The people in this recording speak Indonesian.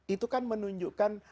itu kan menunjukkan